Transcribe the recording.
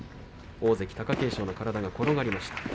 大関貴景勝の体が転がりました。